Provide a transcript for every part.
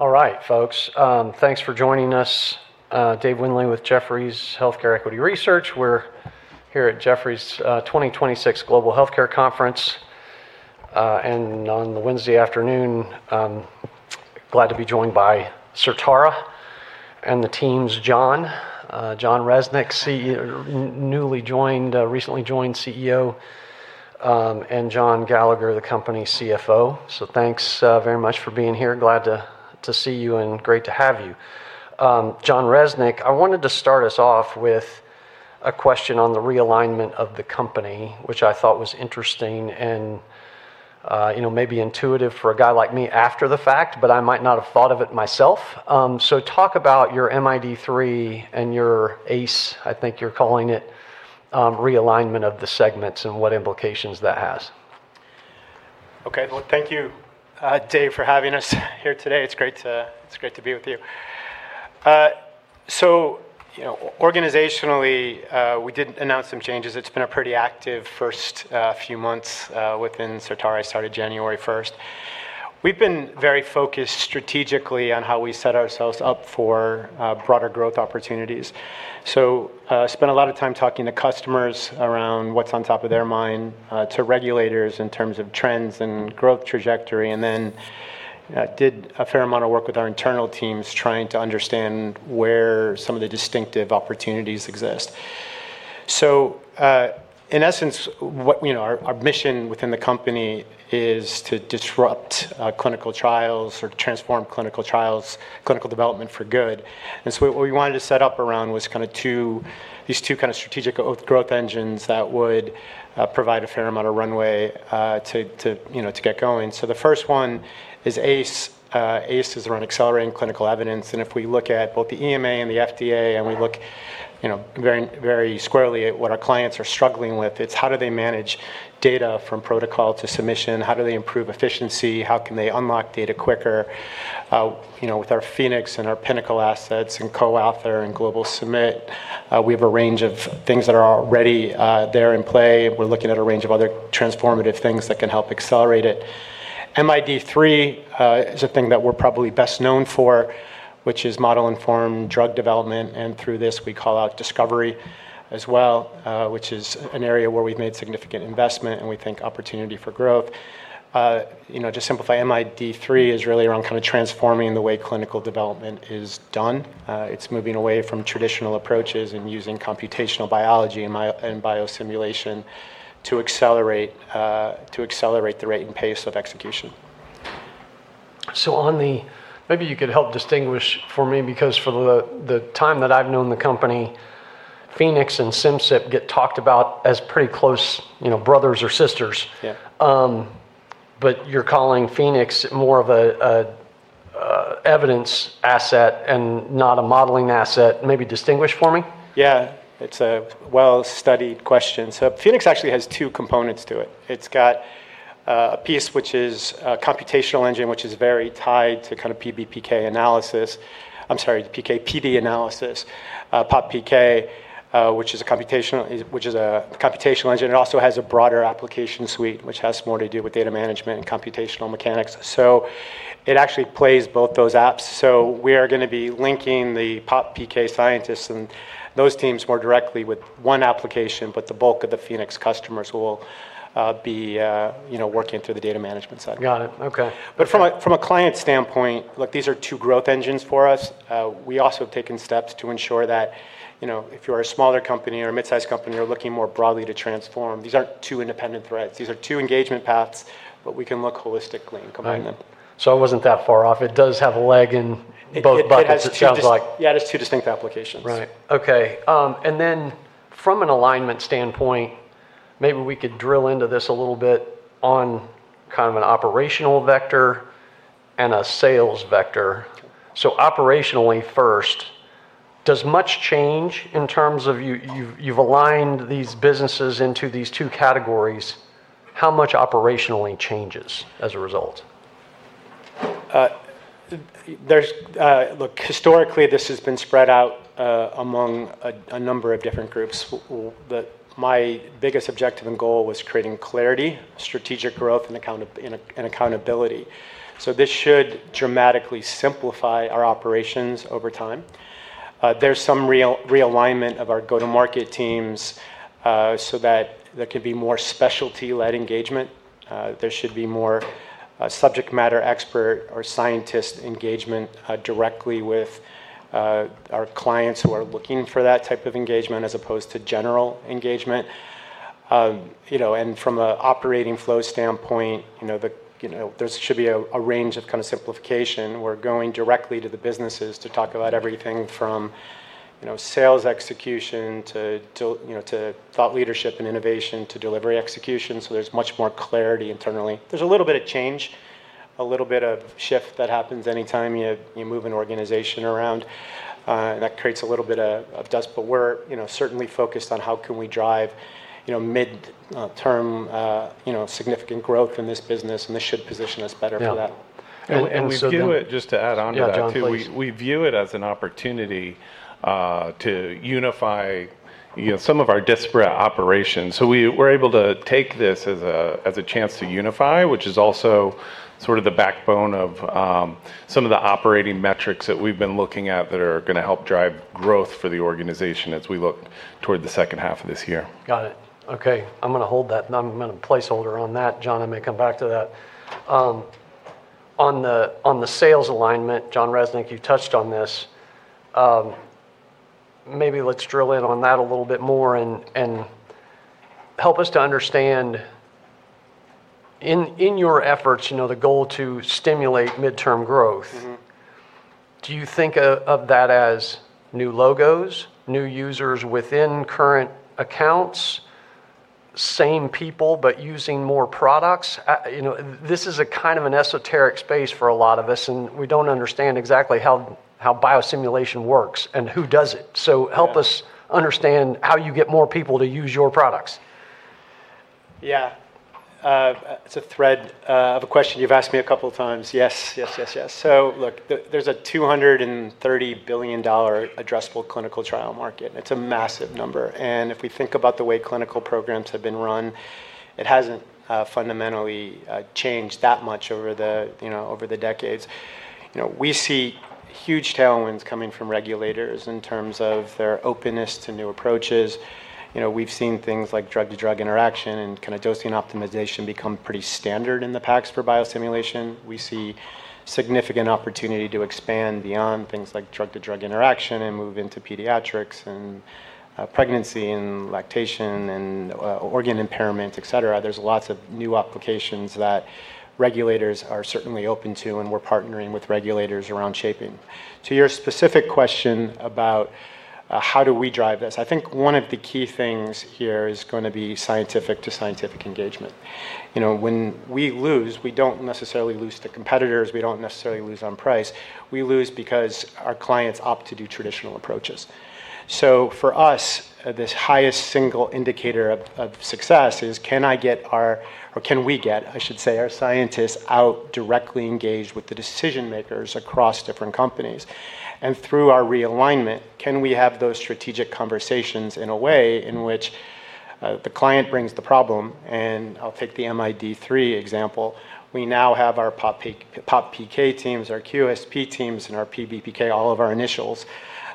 All right, folks. Thanks for joining us. Dave Windley with Jefferies Healthcare Equity Research. We're here at Jefferies' 2026 Global Healthcare Conference. On the Wednesday afternoon, glad to be joined by Certara and the teams, John. Jon Resnick, recently joined CEO, and John Gallagher, the company CFO. Thanks very much for being here. Glad to see you and great to have you. Jon Resnick, I wanted to start us off with a question on the realignment of the company, which I thought was interesting and maybe intuitive for a guy like me after the fact, but I might not have thought of it myself. Talk about your MID3 and your ACE, I think you're calling it, realignment of the segments and what implications that has. Okay. Well, thank you, Dave, for having us here today. It's great to be with you. Organizationally, we did announce some changes. It's been a pretty active first few months within Certara. I started January 1st. We've been very focused strategically on how we set ourselves up for broader growth opportunities. Spent a lot of time talking to customers around what's on top of their mind, to regulators in terms of trends and growth trajectory, and then did a fair amount of work with our internal teams trying to understand where some of the distinctive opportunities exist. In essence, our mission within the company is to disrupt clinical trials or to transform clinical trials, clinical development for good. What we wanted to set up around was these two strategic growth engines that would provide a fair amount of runway to get going. The first one is ACE. ACE is around accelerating clinical evidence, and if we look at both the EMA and the FDA, and we look very squarely at what our clients are struggling with, it's how do they manage data from protocol to submission? How do they improve efficiency? How can they unlock data quicker? With our Phoenix and our Pinnacle assets and CoAuthor and GlobalSubmit, we have a range of things that are already there in play. We're looking at a range of other transformative things that can help accelerate it. MID3 is a thing that we're probably best known for, which is model-informed drug development, and through this we call out discovery as well, which is an area where we've made significant investment and we think opportunity for growth. To simplify, MID3 is really around transforming the way clinical development is done. It's moving away from traditional approaches and using computational biology and biosimulation to accelerate the rate and pace of execution. Maybe you could help distinguish for me, because for the time that I've known the company, Phoenix and Simcyp get talked about as pretty close brothers or sisters. Yeah. You're calling Phoenix more of a evidence asset and not a modeling asset. Maybe distinguish for me? Yeah. It's a well-studied question. Phoenix actually has two components to it. It's got a piece which is a computational engine, which is very tied to PBPK analysis. I'm sorry, the PKPD analysis. PopPK, which is a computational engine. It also has a broader application suite, which has more to do with data management and computational mechanics. It actually plays both those apps. We are going to be linking the PopPK scientists and those teams more directly with one application, but the bulk of the Phoenix customers will be working through the data management side. Got it. Okay. From a client standpoint, look, these are two growth engines for us. We also have taken steps to ensure that if you're a smaller company or a mid-size company or looking more broadly to transform, these aren't two independent threads. These are two engagement paths, but we can look holistically and combine them. I wasn't that far off. It does have a leg in both buckets. It has two- it sounds like. Yeah, it has two distinct applications. Right. Okay. From an alignment standpoint, maybe we could drill into this a little bit on an operational vector and a sales vector. Operationally first, does much change in terms of you've aligned these businesses into these two categories, how much operationally changes as a result? Look, historically, this has been spread out among a number of different groups. My biggest objective and goal was creating clarity, strategic growth, and accountability. This should dramatically simplify our operations over time. There's some realignment of our go-to-market teams, so that there could be more specialty-led engagement. There should be more subject matter expert or scientist engagement directly with our clients who are looking for that type of engagement as opposed to general engagement. From an operating flow standpoint, there should be a range of simplification. We're going directly to the businesses to talk about everything from sales execution to thought leadership and innovation to delivery execution. There's much more clarity internally. There's a little bit of change, a little bit of shift that happens anytime you move an organization around. That creates a little bit of dust, but we're certainly focused on how can we drive mid-term significant growth in this business, and this should position us better for that. We view it, just to add onto that. Yeah, John, please. we view it as an opportunity to unify some of our disparate operations. We're able to take this as a chance to unify, which is also sort of the backbone of some of the operating metrics that we've been looking at that are going to help drive growth for the organization as we look toward the second half of this year. Got it. Okay. I'm going to hold that. I'm going to placeholder on that, John. I may come back to that. On the sales alignment, Jon Resnick, you touched on this. Maybe let's drill in on that a little bit more and help us to understand, in your efforts, the goal to stimulate midterm growth. Do you think of that as new logos, new users within current accounts, same people, but using more products? This is a kind of an esoteric space for a lot of us, and we don't understand exactly how biosimulation works and who does it. help us- Yeah. understand how you get more people to use your products. Yes. It's a thread of a question you've asked me a couple of times. Yes. Look, there's a $230 billion addressable clinical trial market. It's a massive number. If we think about the way clinical programs have been run, it hasn't fundamentally changed that much over the decades. We see huge tailwinds coming from regulators in terms of their openness to new approaches. We've seen things like drug-drug interaction and kind of dosing optimization become pretty standard in the packs for biosimulation. We see significant opportunity to expand beyond things like drug-drug interaction and move into pediatrics, and pregnancy and lactation, and organ impairment, et cetera. There's lots of new applications that regulators are certainly open to. We're partnering with regulators around shaping. To your specific question about how do we drive this, I think one of the key things here is going to be scientific-to-scientific engagement. When we lose, we don't necessarily lose to competitors, we don't necessarily lose on price. We lose because our clients opt to do traditional approaches. For us, the highest single indicator of success is can I get our, or can we get, I should say, our scientists out directly engaged with the decision-makers across different companies? Through our realignment, can we have those strategic conversations in a way in which the client brings the problem, and I'll take the MID3 example. We now have our PopPK teams, our QSP teams, and our PBPK, all of our initials,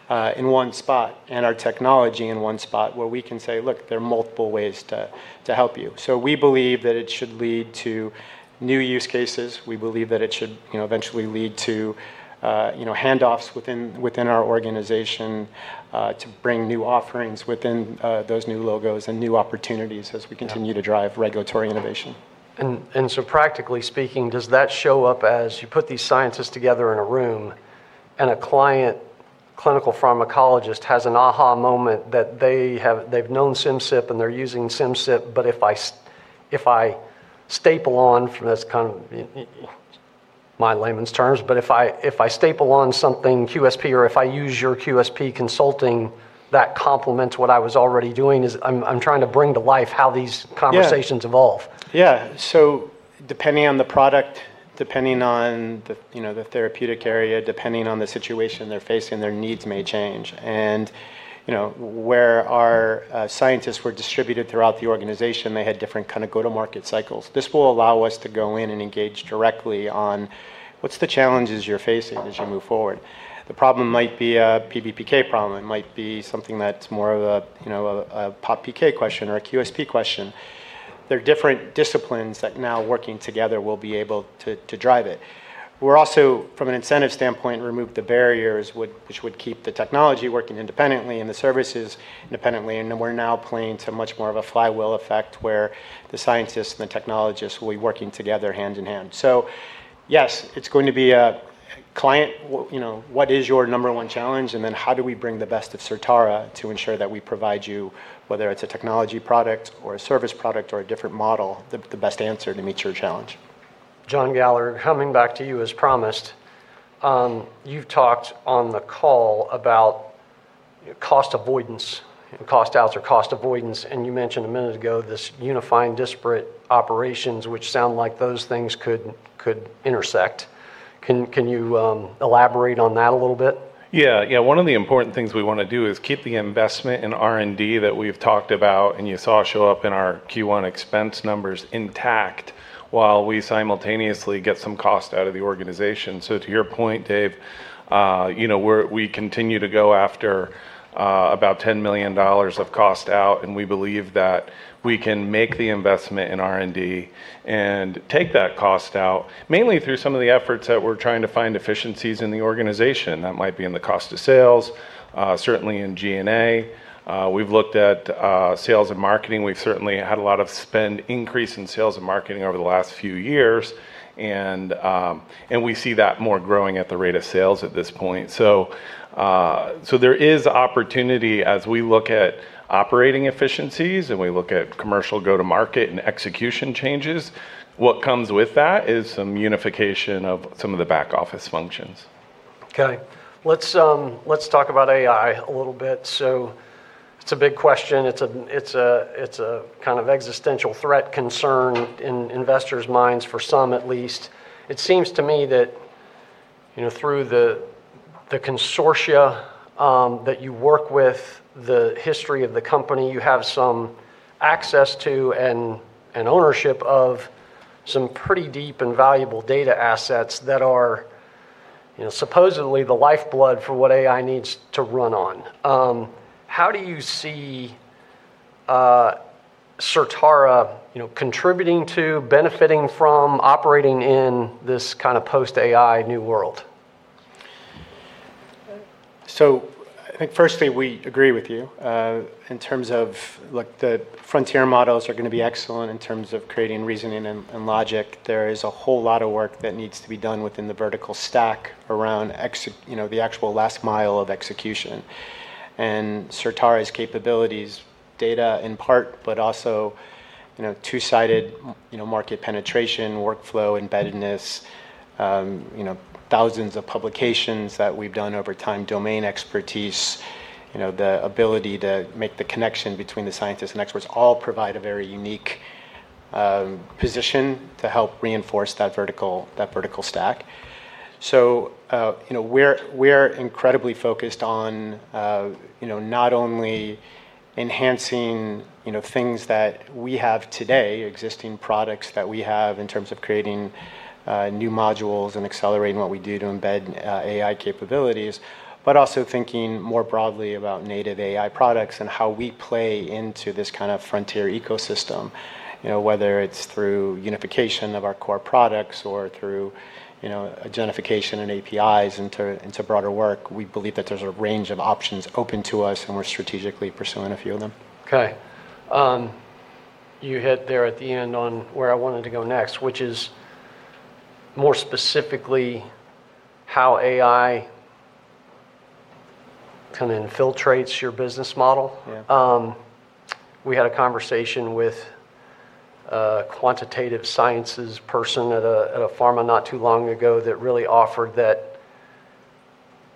in one spot, and our technology in one spot where we can say, "Look, there are multiple ways to help you." We believe that it should lead to new use cases, we believe that it should eventually lead to handoffs within our organization to bring new offerings within those new logos and new opportunities as we continue to drive regulatory innovation. Practically speaking, does that show up as you put these scientists together in a room and a client clinical pharmacologist has an aha moment that they've known Simcyp, and they're using Simcyp, but if I staple on, that's kind of my layman's terms, but if I staple on something QSP or if I use your QSP consulting, that complements what I was already doing is I'm trying to bring to life how these conversations evolve. Yeah. Depending on the product, depending on the therapeutic area, depending on the situation they're facing, their needs may change. Where our scientists were distributed throughout the organization, they had different kind of go-to-market cycles. This will allow us to go in and engage directly on what's the challenges you're facing as you move forward. The problem might be a PBPK problem. It might be something that's more of a PopPK question or a QSP question. They're different disciplines that now working together will be able to drive it. We're also, from an incentive standpoint, remove the barriers which would keep the technology working independently and the services independently, and then we're now playing to much more of a flywheel effect where the scientists and the technologists will be working together hand-in-hand. Yes, it's going to be a client, what is your number 1 challenge, and then how do we bring the best of Certara to ensure that we provide you, whether it's a technology product or a service product or a different model, the best answer to meet your challenge. John Gallagher, coming back to you as promised. You've talked on the call about cost avoidance and cost outs or cost avoidance, and you mentioned a minute ago this unifying disparate operations, which sound like those things could intersect. Can you elaborate on that a little bit? One of the important things we want to do is keep the investment in R&D that we've talked about, and you saw show up in our Q1 expense numbers intact while we simultaneously get some cost out of the organization. To your point, Dave, we continue to go after about $10 million of cost out, and we believe that we can make the investment in R&D and take that cost out, mainly through some of the efforts that we're trying to find efficiencies in the organization. That might be in the cost of sales, certainly in G&A. We've looked at sales and marketing. We've certainly had a lot of spend increase in sales and marketing over the last few years, and we see that more growing at the rate of sales at this point. There is opportunity as we look at operating efficiencies and we look at commercial go-to-market and execution changes. What comes with that is some unification of some of the back-office functions. Okay. Let's talk about AI a little bit. It's a big question. It's a kind of existential threat concern in investors' minds, for some at least. It seems to me that through the consortia that you work with, the history of the company, you have some access to and ownership of some pretty deep and valuable data assets that are supposedly the lifeblood for what AI needs to run on. How do you see Certara contributing to, benefiting from, operating in this kind of post-AI new world? I think firstly, we agree with you in terms of the frontier models are going to be excellent in terms of creating reasoning and logic. There is a whole lot of work that needs to be done within the vertical stack around the actual last mile of execution. Certara's capabilities, data in part, but also two-sided market penetration, workflow embeddedness, thousands of publications that we've done over time, domain expertise, the ability to make the connection between the scientists and experts, all provide a very unique position to help reinforce that vertical stack. We're incredibly focused on not only enhancing things that we have today, existing products that we have in terms of creating new modules and accelerating what we do to embed AI capabilities, but also thinking more broadly about native AI products and how we play into this kind of frontier ecosystem. Whether it's through unification of our core products or through agentification and APIs into broader work, we believe that there's a range of options open to us, and we're strategically pursuing a few of them. You hit there at the end on where I wanted to go next, which is more specifically how AI kind of infiltrates your business model. Yeah. We had a conversation with a quantitative sciences person at a pharma not too long ago that really offered that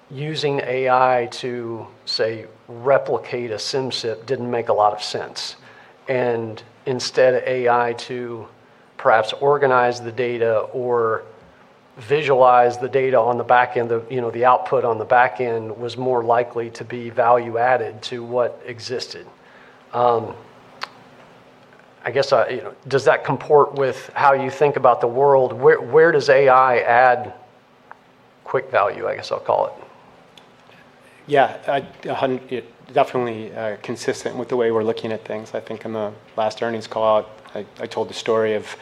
using AI to, say, replicate a Simcyp didn't make a lot of sense. Instead, AI to perhaps organize the data or visualize the data on the back end, the output on the back end was more likely to be value added to what existed. Does that comport with how you think about the world? Where does AI add quick value, I guess I'll call it? Yeah. Definitely consistent with the way we're looking at things. I think in the last earnings call, I told the story of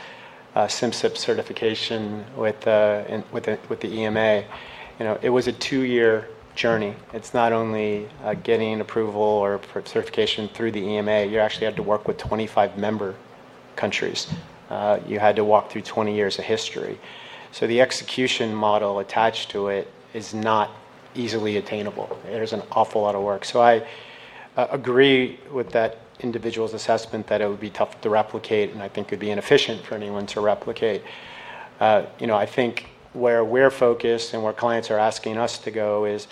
Simcyp certification with the EMA. It was a two-year journey. It's not only getting approval or certification through the EMA. You actually had to work with 25 member countries. You had to walk through 20 years of history. The execution model attached to it is not easily attainable. It is an awful lot of work. I agree with that individual's assessment that it would be tough to replicate and I think would be inefficient for anyone to replicate. I think where we're focused and where clients are asking us to go is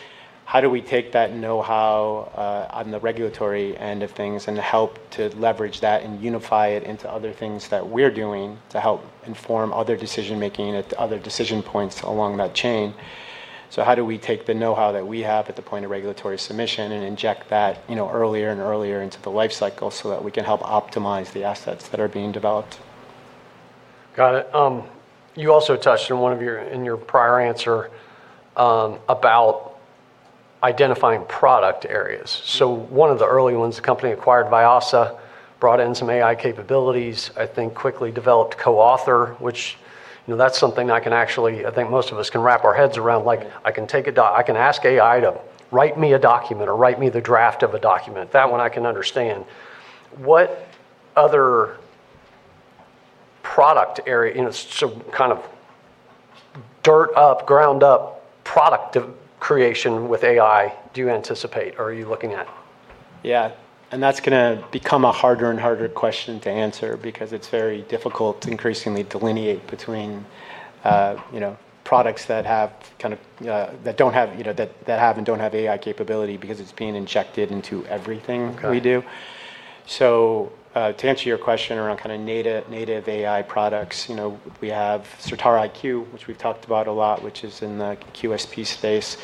how do we take that knowhow on the regulatory end of things and help to leverage that and unify it into other things that we're doing to help inform other decision-making at other decision points along that chain? How do we take the knowhow that we have at the point of regulatory submission and inject that earlier and earlier into the life cycle so that we can help optimize the assets that are being developed? Got it. You also touched in your prior answer about identifying product areas. One of the early ones, the company acquired Vyasa, brought in some AI capabilities, I think quickly developed CoAuthor, which that's something I think most of us can wrap our heads around. I can ask AI to write me a document or write me the draft of a document. That one I can understand. What other product area, kind of ground up product creation with AI do you anticipate or are you looking at? Yeah. That's going to become a harder and harder question to answer because it's very difficult to increasingly delineate between products that have and don't have AI capability because it's being injected into everything we do. Okay. To answer your question around native AI products, we have Certara IQ, which we've talked about a lot, which is in the QSP space.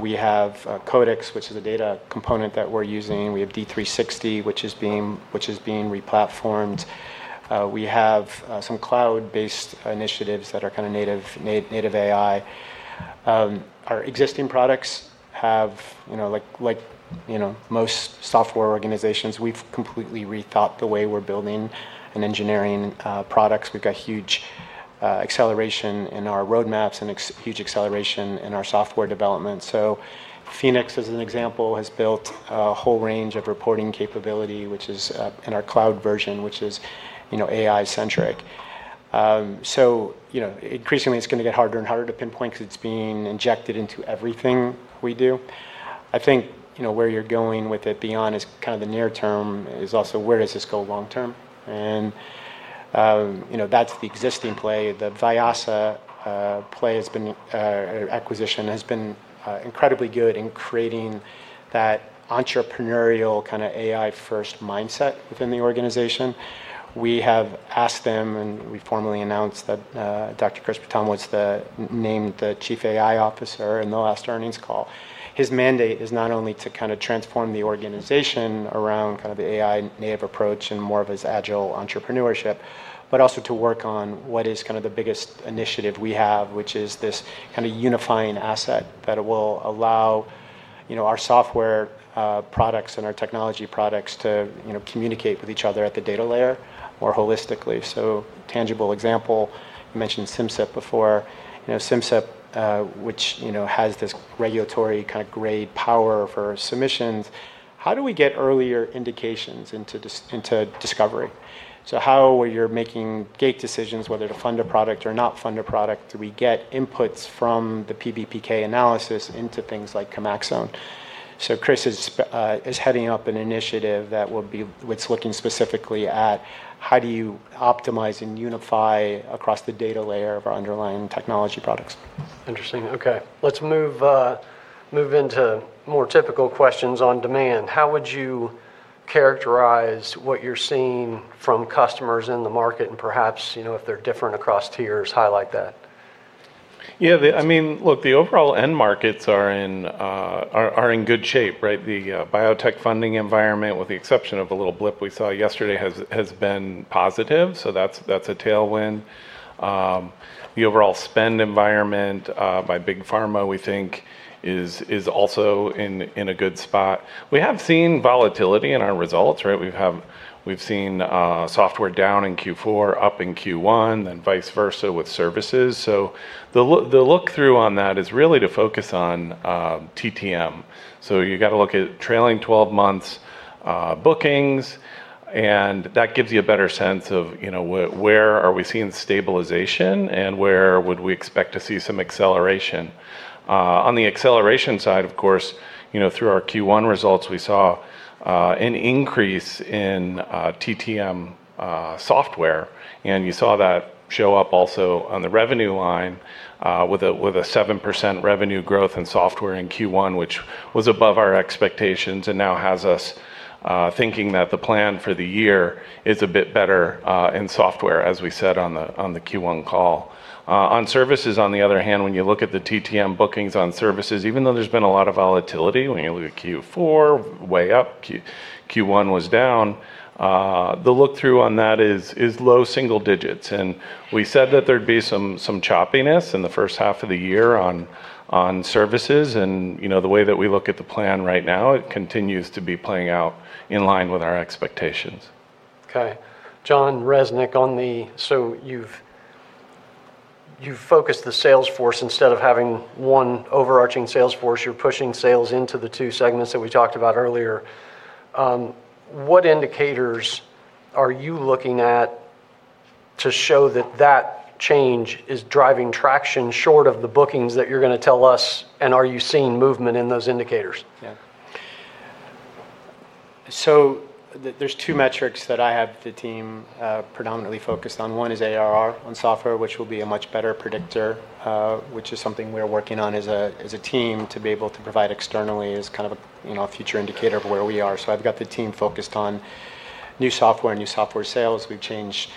We have CODEx, which is a data component that we're using. We have D360, which is being re-platformed. We have some cloud-based initiatives that are native AI. Our existing products have, like most software organizations, we've completely rethought the way we're building and engineering products. We've got huge acceleration in our roadmaps and huge acceleration in our software development. Phoenix, as an example, has built a whole range of reporting capability, which is in our cloud version, which is AI centric. Increasingly, it's going to get harder and harder to pinpoint because it's being injected into everything we do. I think where you're going with it beyond is kind of the near term is also where does this go long term? That's the existing play. The Vyasa acquisition has been incredibly good in creating that entrepreneurial kind of AI-first mindset within the organization. We have asked them, and we formally announced that Dr. Krishnan Raman was named the Chief AI Officer in the last earnings call. His mandate is not only to kind of transform the organization around the AI-native approach and more of his agile entrepreneurship, but also to work on what is the biggest initiative we have, which is this kind of unifying asset that will allow our software products and our technology products to communicate with each other at the data layer more holistically. Tangible example, you mentioned Simcyp before. Simcyp which has this regulatory kind of grade power for submissions. How do we get earlier indications into discovery? How you're making gate decisions whether to fund a product or not fund a product, do we get inputs from the PBPK analysis into things like Chemaxon? Kris is heading up an initiative that's looking specifically at how do you optimize and unify across the data layer of our underlying technology products. Interesting. Okay. Let's move into more typical questions on demand. How would you characterize what you're seeing from customers in the market and perhaps, if they're different across tiers, highlight that? Yeah, look, the overall end markets are in good shape, right? The biotech funding environment, with the exception of a little blip we saw yesterday, has been positive. That's a tailwind. The overall spend environment by big pharma, we think is also in a good spot. We have seen volatility in our results, right? We've seen software down in Q4, up in Q1, then vice versa with services. The look-through on that is really to focus on TTM. You got to look at trailing 12 months bookings, and that gives you a better sense of where are we seeing stabilization and where would we expect to see some acceleration. On the acceleration side, of course, through our Q1 results, we saw an increase in TTM software, and you saw that show up also on the revenue line with a 7% revenue growth in software in Q1, which was above our expectations and now has us thinking that the plan for the year is a bit better in software, as we said on the Q1 call. On services, on the other hand, when you look at the TTM bookings on services, even though there's been a lot of volatility, when you look at Q4, way up, Q1 was down. The look-through on that is low single digits. We said that there'd be some choppiness in the first half of the year on services and the way that we look at the plan right now, it continues to be playing out in line with our expectations. Okay. Jon Resnick, you've focused the sales force. Instead of having one overarching sales force, you're pushing sales into the two segments that we talked about earlier. What indicators are you looking at to show that that change is driving traction short of the bookings that you're going to tell us, and are you seeing movement in those indicators? Yeah. There's two metrics that I have the team predominantly focused on. One is ARR on software, which will be a much better predictor, which is something we are working on as a team to be able to provide externally as kind of a future indicator of where we are. I've got the team focused on new software and new software sales. We've changed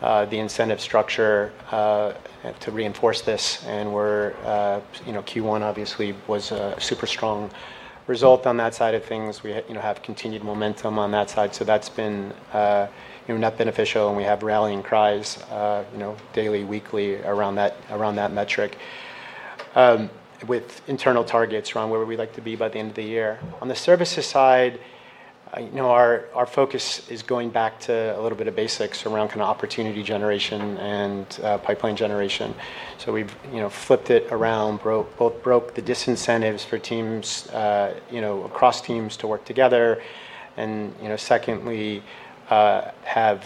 the incentive structure to reinforce this. Q1 obviously was a super strong result on that side of things. We have continued momentum on that side. That's been net beneficial and we have rallying cries daily, weekly around that metric with internal targets around where we'd like to be by the end of the year. On the services side, our focus is going back to a little bit of basics around opportunity generation and pipeline generation. We've flipped it around, broke the disincentives for teams across teams to work together and secondly, have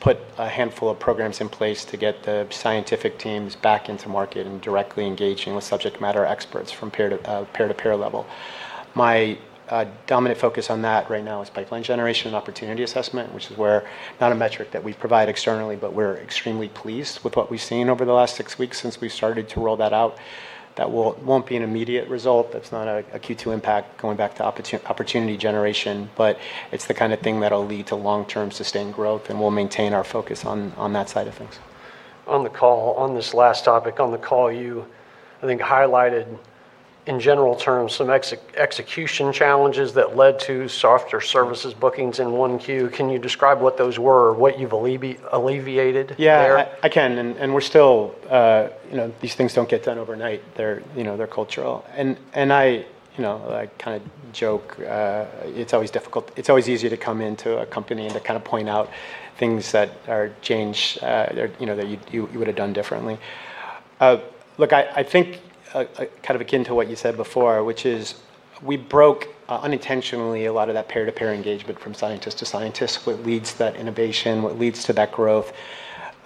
put a handful of programs in place to get the scientific teams back into market and directly engaging with subject matter experts from peer-to-peer level. My dominant focus on that right now is pipeline generation and opportunity assessment, which is where not a metric that we provide externally, but we're extremely pleased with what we've seen over the last six weeks since we've started to roll that out. That won't be an immediate result. That's not a Q2 impact going back to opportunity generation, but it's the kind of thing that'll lead to long-term sustained growth, and we'll maintain our focus on that side of things. On this last topic, on the call you, I think, highlighted in general terms some execution challenges that led to softer services bookings in 1Q. Can you describe what those were or what you've alleviated there? Yeah, I can. These things don't get done overnight. They're cultural. I kind of joke it's always easier to come into a company and to kind of point out things that are changed that you would've done differently. Look, I think kind of akin to what you said before, which is we broke unintentionally a lot of that peer-to-peer engagement from scientist to scientist, what leads to that innovation, what leads to that growth.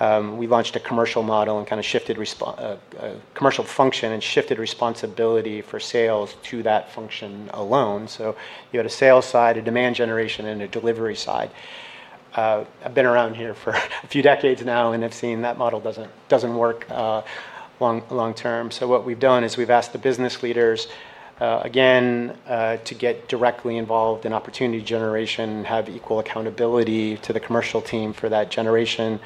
We launched a commercial model and shifted commercial function and shifted responsibility for sales to that function alone. You had a sales side, a demand generation, and a delivery side. I've been around here for a few decades now, and I've seen that model doesn't work long-term. What we've done is we've asked the business leaders, again, to get directly involved in opportunity generation, have equal accountability to the commercial team for that generation.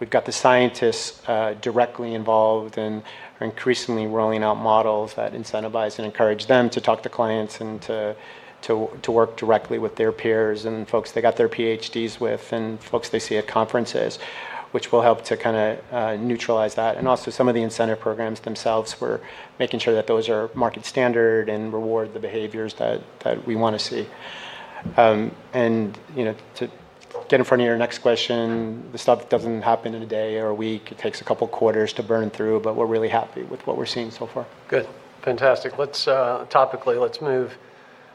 We've got the scientists directly involved and are increasingly rolling out models that incentivize and encourage them to talk to clients and to work directly with their peers and folks they got their PhDs with and folks they see at conferences, which will help to neutralize that. Also some of the incentive programs themselves, we're making sure that those are market standard and reward the behaviors that we want to see. To get in front of your next question, this stuff doesn't happen in a day or a week. It takes a couple quarters to burn through, but we're really happy with what we're seeing so far. Good. Fantastic. Topically, let's move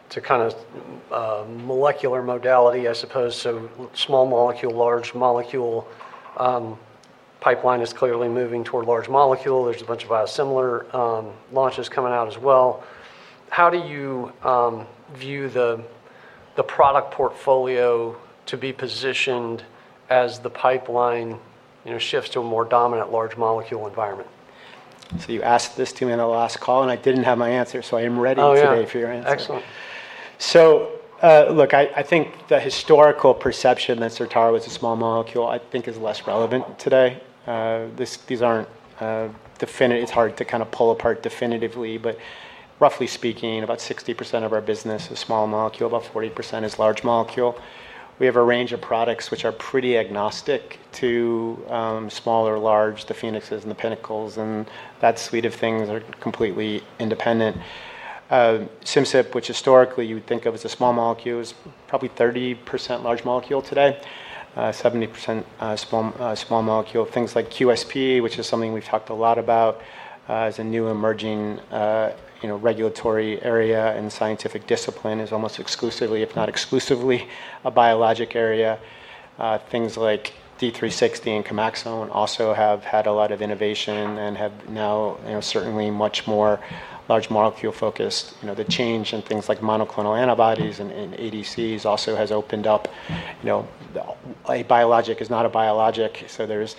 to molecular modality, I suppose. Small molecule, large molecule. Pipeline is clearly moving toward large molecule. There's a bunch of biosimilar launches coming out as well. How do you view the product portfolio to be positioned as the pipeline shifts to a more dominant large molecule environment? You asked this to me on the last call, and I didn't have my answer. I am ready today. Oh, yeah. For your answer. Excellent. Look, I think the historical perception that Certara was a small molecule is less relevant today. It's hard to pull apart definitively, but roughly speaking, about 60% of our business is small molecule, about 40% is large molecule. We have a range of products which are pretty agnostic to small or large, the Phoenixes and the Pinnacles, and that suite of things are completely independent. Simcyp, which historically you would think of as a small molecule, is probably 30% large molecule today, 70% small molecule. Things like QSP, which is something we've talked a lot about as a new emerging regulatory area and scientific discipline, is almost exclusively, if not exclusively, a biologic area. Things like D360 and Chemaxon also have had a lot of innovation and have now certainly much more large molecule-focused. The change in things like monoclonal antibodies and ADCs also has opened up. A biologic is not a biologic, so there's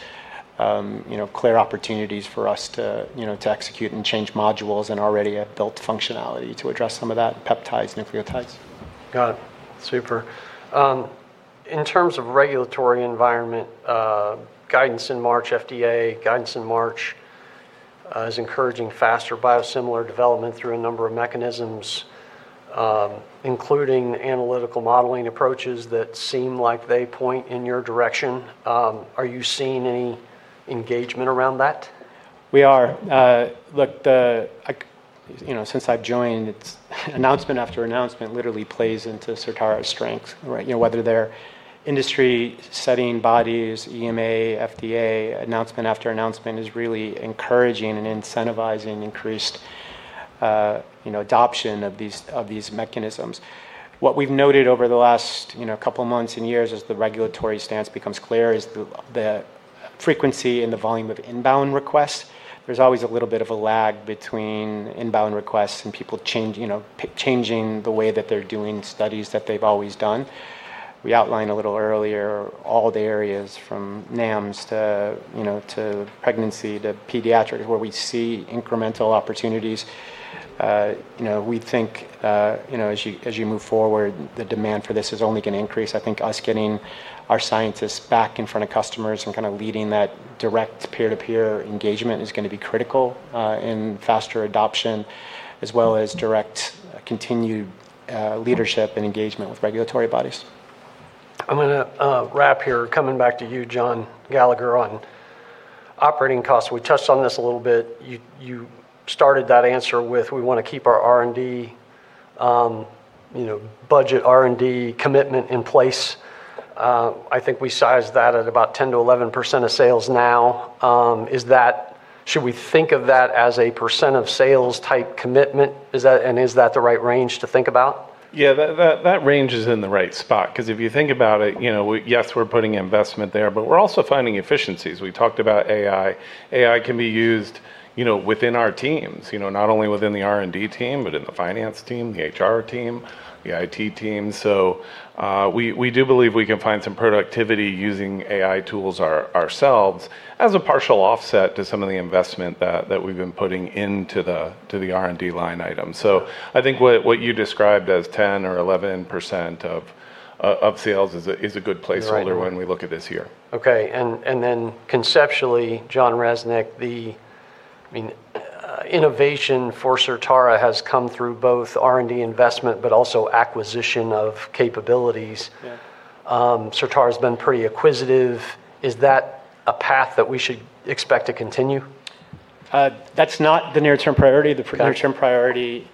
clear opportunities for us to execute and change modules and already have built functionality to address some of that, peptides, nucleotides. Got it. Super. In terms of regulatory environment, guidance in March, FDA guidance in March is encouraging faster biosimilar development through a number of mechanisms, including analytical modeling approaches that seem like they point in your direction. Are you seeing any engagement around that? We are. Look, since I've joined, it's announcement after announcement literally plays into Certara's strength, right? Whether they're industry-setting bodies, EMA, FDA, announcement after announcement is really encouraging and incentivizing increased adoption of these mechanisms. What we've noted over the last couple months and years, as the regulatory stance becomes clear, is the frequency and the volume of inbound requests. There's always a little bit of a lag between inbound requests and people changing the way that they're doing studies that they've always done. We outlined a little earlier all the areas from NAMs to pregnancy to pediatrics, where we see incremental opportunities. We think as you move forward, the demand for this is only going to increase. I think us getting our scientists back in front of customers and kind of leading that direct peer-to-peer engagement is going to be critical in faster adoption as well as direct continued leadership and engagement with regulatory bodies. I'm going to wrap here. Coming back to you, John Gallagher, on operating costs. We touched on this a little bit. You started that answer with, "We want to keep our R&D budget, R&D commitment in place." I think we sized that at about 10%-11% of sales now. Should we think of that as a % of sales-type commitment? Is that the right range to think about? Yeah, that range is in the right spot, because if you think about it, yes, we're putting investment there, but we're also finding efficiencies. We talked about AI. AI can be used within our teams, not only within the R&D team, but in the finance team, the HR team, the IT team. We do believe we can find some productivity using AI tools ourselves as a partial offset to some of the investment that we've been putting into the R&D line item. I think what you described as 10% or 11% of sales is a good placeholder when we look at this year. Okay. Then conceptually, Jon Resnick, the innovation for Certara has come through both R&D investment, but also acquisition of capabilities. Yeah. Certara's been pretty acquisitive. Is that a path that we should expect to continue? That's not the near-term priority. Got it. The near-term priority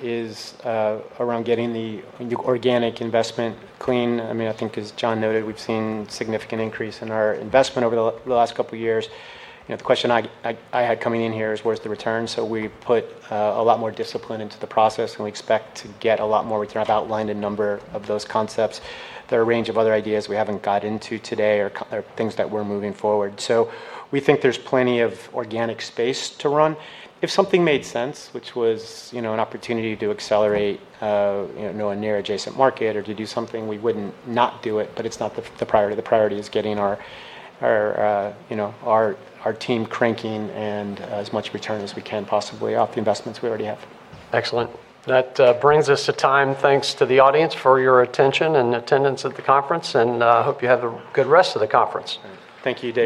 is around getting the organic investment clean. I think as John noted, we've seen significant increase in our investment over the last couple years. The question I had coming in here is where's the return? We put a lot more discipline into the process, and we expect to get a lot more return. I've outlined a number of those concepts. There are a range of other ideas we haven't got into today or things that we're moving forward. We think there's plenty of organic space to run. If something made sense, which was an opportunity to accelerate a near adjacent market or to do something, we wouldn't not do it, but it's not the priority. The priority is getting our team cranking and as much return as we can possibly off the investments we already have. Excellent. That brings us to time. Thanks to the audience for your attention and attendance at the conference, and I hope you have a good rest of the conference. Thank you, Dave.